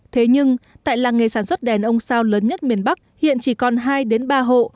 thế nhưng tại làng nghề sản xuất đèn ông sao lớn nhất miền bắc hiện chỉ còn hai ba hộ